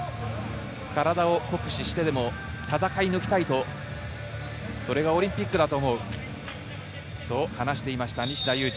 体を酷使してでも戦い抜きたいと、それがオリンピックだと思う、そう話していました西田有志。